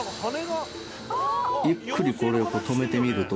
ゆっくりこれを止めてみると。